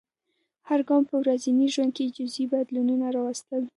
هر ګام په ورځني ژوند کې جزیي بدلونونه راوستل.